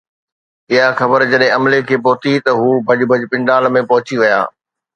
اها خبر جڏهن عملي کي پهتي ته هو ڀڄ ڀڄ پنڊال ۾ پهچي ويا.